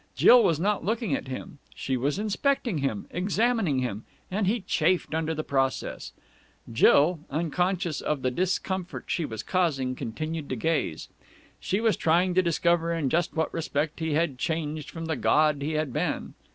Jill was not looking at him she was inspecting him, examining him, and he chafed under the process. Jill, unconscious of the discomfort she was causing, continued to gaze. She was trying to discover in just what respect he had changed from the god he had been.